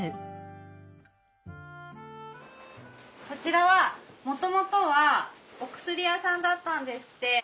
こちらはもともとはお薬屋さんだったんですって。